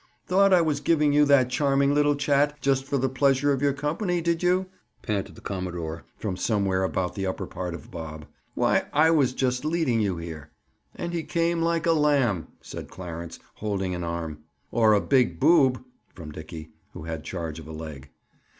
"Thought I was giving you that charming little chat, just for the pleasure of your company, did you?" panted the commodore, from somewhere about the upper part of Bob? "Why, I was just leading you here." "And he came like a lamb!" said Clarence, holding an arm. "Or a big boob!" from Dickie, who had charge of a leg.